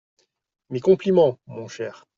Mes compliments, mon cher.